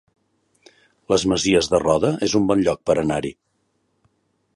Les Masies de Roda es un bon lloc per anar-hi